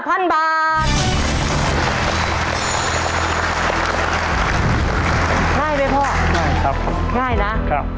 ขอบคุณครับ